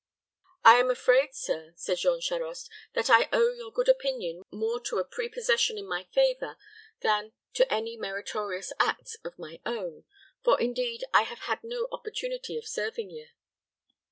"I am afraid, sir," said Jean Charost, "that I owe your good opinion more to a prepossession in my favor than to any meritorious acts of my own; for, indeed, I have had no opportunity of serving you."